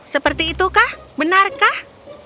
seperti itukah benarkah